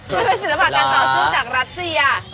มันเป็นศิลปะการต่อสู้จากรัสเซีย